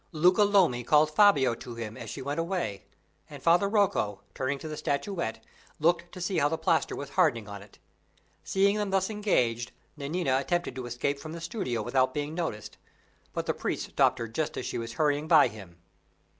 Luca Lomi called Fabio to him as she went away, and Father Rocco, turning to the statuette, looked to see how the plaster was hardening on it. Seeing them thus engaged, Nanina attempted to escape from the studio without being noticed; but the priest stopped her just as she was hurrying by him.